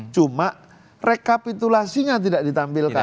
cuma rekapitulasinya tidak ditampilkan